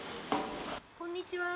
こんにちは。